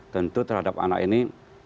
tentu terhadap anak ini